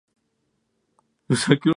Desde ese momento, se inspiró en actuar.